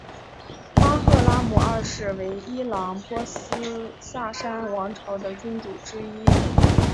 巴赫拉姆二世为伊朗波斯萨珊王朝的君主之一。